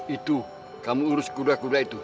itu kamu urus kuda kuda itu